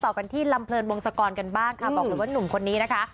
กันที่ลำเลินวงศกรกันบ้างค่ะบอกเลยว่านุ่มคนนี้นะคะ